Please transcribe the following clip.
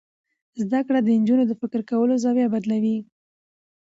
زده کړه د نجونو د فکر کولو زاویه بدلوي.